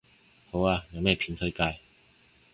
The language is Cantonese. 好啊，有咩片推介